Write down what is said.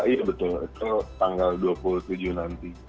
iya betul itu tanggal dua puluh tujuh nanti bulan agustus